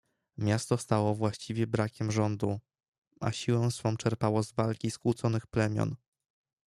Miasto stało właściwie brakiem rządu, a siłę swą czerpało z walki skłóconych plemion.